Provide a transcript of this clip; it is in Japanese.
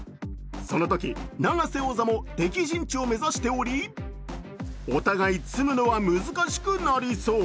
そのとき、永瀬王座も敵陣地を目指しており、お互い詰むのは難しくなりそう。